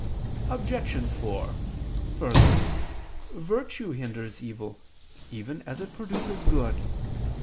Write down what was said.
Obj. 4: Further, virtue hinders evil, even as it produces good.